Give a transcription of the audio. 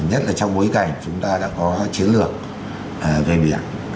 nhất là trong bối cảnh chúng ta đã có chiến lược về biển